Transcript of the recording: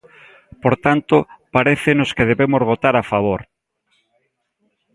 Por tanto, parécenos que debemos votar a favor.